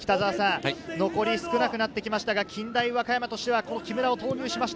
残り少なくなってきましたが近大和歌山としては木村を投入しました。